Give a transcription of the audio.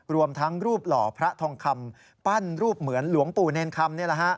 รวมทั้งรูปหล่อพระทองคำปั้นรูปเหมือนหลวงปู่เนรคำ